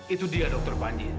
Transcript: itu dia dokter panji